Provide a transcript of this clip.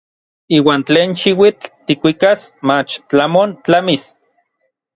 Iuan tlen xiuitl tikuikas mach tlamon tlamis.